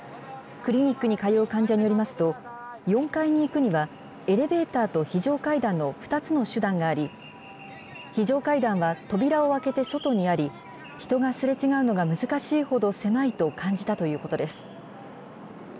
クリニックに通う患者によりますと、４階に行くにはエレベーターと非常階段の２つの手段があり、非常階段は扉を開けて外にあり、人がすれ違うのが難しいほど狭いと感じたということです。